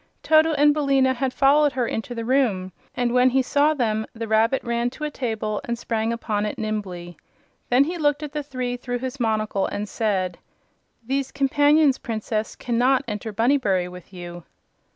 Toto and Billina had followed her into the room and when he saw them the rabbit ran to a table and sprang upon it nimbly. Then he looked at the three through his monocle and said: "These companions, Princess, cannot enter Bunnybury with you."